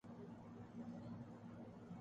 بچپن ہی سے لکھنے کا شوق تھا۔